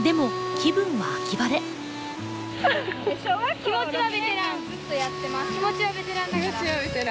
気持ちはベテランだから。